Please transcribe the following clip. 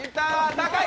高い！